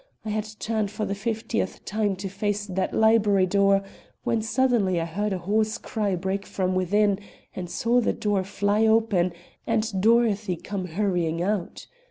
I had turned for the fiftieth time to face that library door, when suddenly I heard a hoarse cry break from within and saw the door fly open and Dorothy come hurrying out.